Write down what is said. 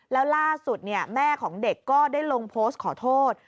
แล้วล่าสุดแม่ของเด็กก็ได้ลงโพสต์ขอโทษ